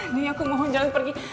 andi aku mohon jangan pergi